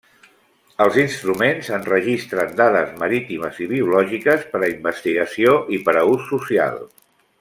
Els instruments enregistren dades marítimes i biològiques per a investigació i per a ús social.